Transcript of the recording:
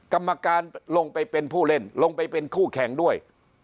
กรรมการลงไปเป็นผู้เล่นลงไปเป็นคู่แข่งด้วย